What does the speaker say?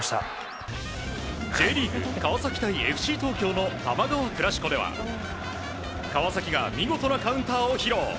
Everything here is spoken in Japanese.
Ｊリーグ川崎対ＦＣ東京の多摩川クラシコでは川崎が見事なカウンターを披露。